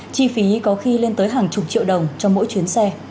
chi phí có khi lên tới hàng chục triệu đồng cho mỗi chuyến xe